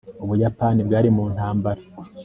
ubuyapani bwari mu ntambara